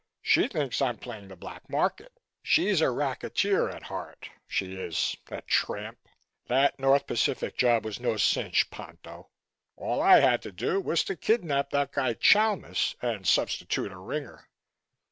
She thinks I'm playing the Black Market. She's a racketeer at heart, she is, the tramp. That North Pacific job was no cinch, Ponto. All I had to do was to kidnap that guy Chalmis and substitute a ringer.